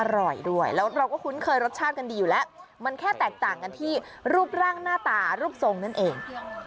อร่อยด้วยแล้วเราก็คุ้นเคยรสชาติกันดีอยู่แล้วมันแค่แตกต่างกันที่รูปร่างหน้าตารูปทรงนั่นเอง